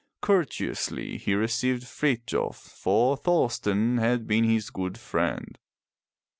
Courteously he received Frithjof, for Thorsten had been his good friend.